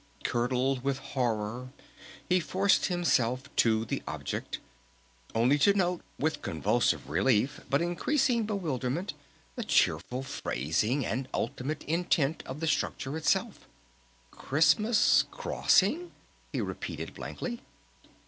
Curdled with horror he forced himself to the object, only to note with convulsive relief but increasing bewilderment the cheerful phrasing and ultimate intent of the structure itself. "'Christmas Crossing'?" he repeated blankly.